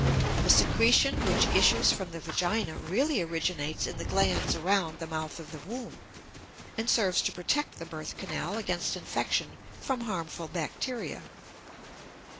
The secretion which issues from the vagina really originates in the glands around the mouth of the womb, and serves to protect the birth canal against infection from harmful bacteria.